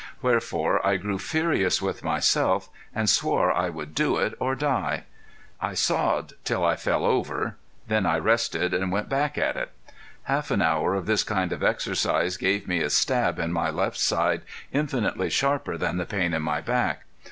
Wherefore I grew furious with myself and swore I would do it or die. I sawed till I fell over then I rested and went back at it. Half an hour of this kind of exercise gave me a stab in my left side infinitely sharper than the pain in my back.